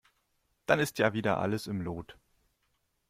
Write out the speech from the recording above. Dann ist ja wieder alles im Lot.